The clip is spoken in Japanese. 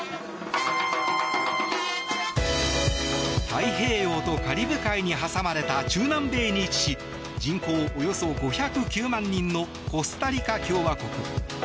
太平洋とカリブ海に挟まれた中南米に位置し人口およそ５０９万人のコスタリカ共和国。